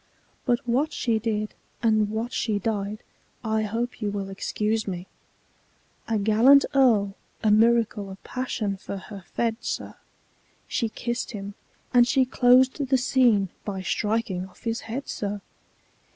But what she did, and what she died—I hope you will excuse me: A gallant Earl a miracle of passion for her fed, sir; She kiss'd him, and she clos'd the scene by striking off his head, sir!